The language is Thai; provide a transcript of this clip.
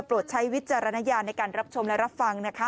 ใช้วิจารณญาณในการรับชมและรับฟังนะคะ